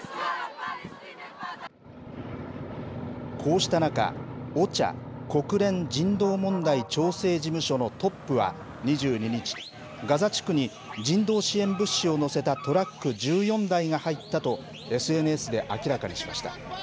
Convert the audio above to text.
こうした中、ＯＣＨＡ・国連人道問題調整事務所のトップは、２２日、ガザ地区に人道支援物資を載せたトラック１４台が入ったと、ＳＮＳで明らかにしました。